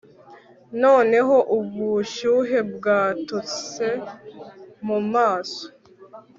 noneho ubushyuhe bwatose mu maso